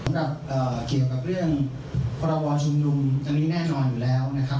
เพราะแบบเกี่ยวกับเรื่องประวัติธรรมชุมยุมจะมิแน่นอนอยู่แล้วนะคะ